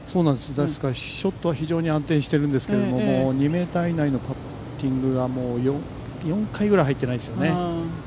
ですから、ショットは非常に安定しているんですけれども、もう２ｍ以内のパッティングが４回ぐらい入ってないんですよね。